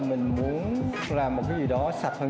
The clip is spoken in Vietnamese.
mình muốn làm một cái gì đó sạch hơn